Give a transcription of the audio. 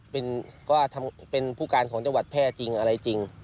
เป็นผู้การของจังหวัดแพร่จริงอะไรจริง